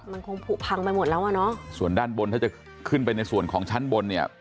มันคงผูกพังไปหมดแล้วอ่ะเนอะส่วนด้านบนถ้าจะขึ้นไปในส่วนของชั้นบนเนี่ย